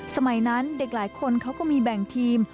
สมัยนั้นเด็กหลายคนเขาก็มีแบ่งทีม